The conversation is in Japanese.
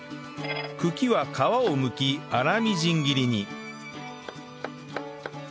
茎は皮をむき粗みじん切りに